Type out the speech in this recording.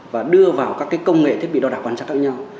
và đưa vào các công nghệ thiết bị đo đảo quan trọng khác nhau